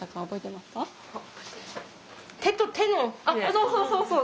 そうそうそうそう